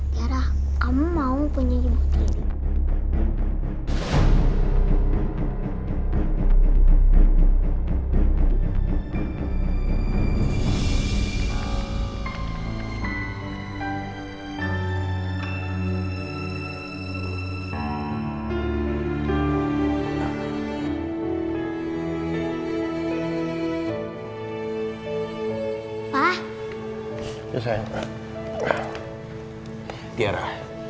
tiara kamu mau punya ibu tiri